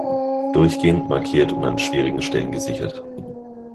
Durchgehend markiert und an schwierigen Stellen gesichert.